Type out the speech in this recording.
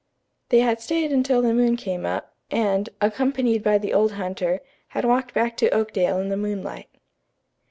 They had stayed until the moon came up, and, accompanied by the old hunter, had walked back to Oakdale in the moonlight.